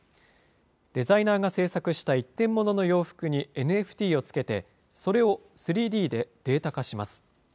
デザイナーが制作した一点ものの洋服にＮＦＴをつけて、それを３Ｄでデータ化します。